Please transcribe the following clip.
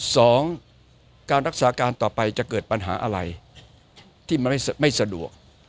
สองการรักษาการต่อไปจะเกิดปัญหาอะไรที่มันไม่สะดวก